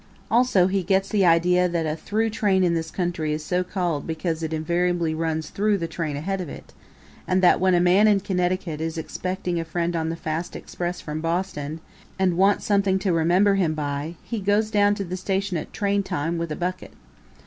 Also, he gets the idea that a through train in this country is so called because it invariably runs through the train ahead of it; and that when a man in Connecticut is expecting a friend on the fast express from Boston, and wants something to remember him by, he goes down to the station at train time with a bucket.